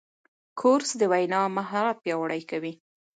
کورس د وینا مهارت پیاوړی کوي.